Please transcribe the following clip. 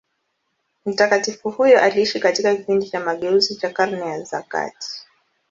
Mtakatifu huyo aliishi katika kipindi cha mageuzi cha Karne za kati.